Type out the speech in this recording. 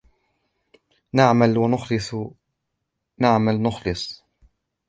نَعْمَل نُخْلِص نَعْمَل نُخْلِص